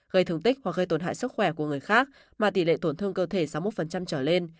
gây thương tích hoặc gây tổn hại sức khỏe của người khác mà tỷ lệ tổn thương cơ thể sáu mươi một trở lên